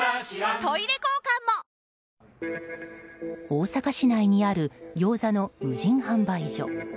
大阪市内にあるギョーザの無人販売所。